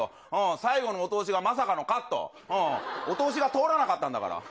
最後のお通しがまさかのカット、お通しが通らなかったんだから。